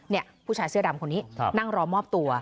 นี่ผู้ชายเสื้อดำคนนี้นั่งรอมอบตัว